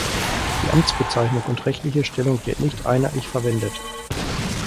Die Amtsbezeichnung und rechtliche Stellung wird nicht einheitlich verwendet.